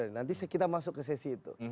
nanti kita masuk ke sesi itu